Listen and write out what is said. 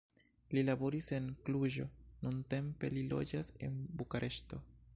Li laboris en Kluĵo, nuntempe li loĝas en Bukareŝto.